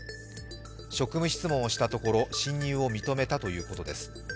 職務質問をしたところ侵入を認めたということです。